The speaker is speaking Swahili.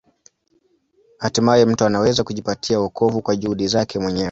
Hatimaye mtu anaweza kujipatia wokovu kwa juhudi zake mwenyewe.